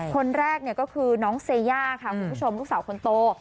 คนแรกก็คือน้องเซย่าค่ะคุณผู้ชมลูกสาวคนโต